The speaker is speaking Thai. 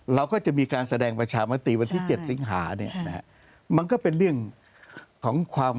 เราก็จะมีการแสดงประชามาตรีด้านที่๗สิงหาเนี่ยมันก็เป็นเรื่องของความ